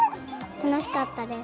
楽しかったです。